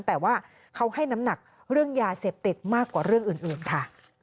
แต่ว่าเขาให้น้ำหนักเรื่องยาเสพติดมากกว่าเรื่องอื่นค่ะ